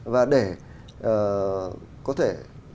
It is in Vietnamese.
và để có thể